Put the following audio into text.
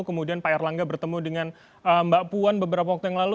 kemudian pak erlangga bertemu dengan mbak puan beberapa waktu yang lalu